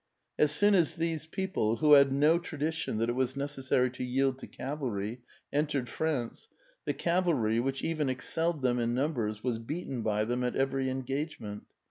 As soon as these people, who had no tradition that it was necessary to yield to cavalry, entered France, the cavalry, which even excelled them in numbers, was beaten by them at everj engagement.